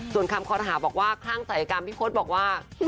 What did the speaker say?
ส่วนคำคอรหาบอกว่าคลั่งศัยกรรมพี่พศบอกว่า